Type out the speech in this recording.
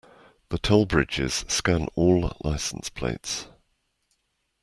The toll bridges scan all license plates.